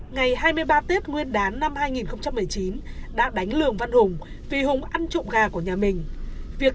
ngày hai mươi ba tết nguyên đán năm hai nghìn một mươi chín đã đánh lường văn hùng vì hùng ăn trộm gà của nhà mình